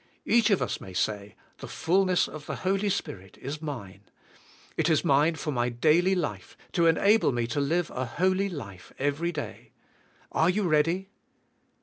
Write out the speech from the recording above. Each of us may say. The fullness of the Holy Spirit is mine. It is mine for my daily life, to en able me to live a holy life every day. Are you ready?